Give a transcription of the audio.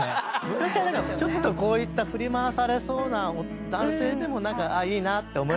昔はちょっとこういった振り回されそうな男性でも何かいいなって思えた。